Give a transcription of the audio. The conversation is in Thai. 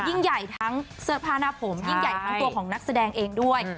ยิ่งใหญ่ทั้งเสื้อผ้าหน้าผมยิ่งใหญ่ทั้งตัวของนักแสดงเองด้วย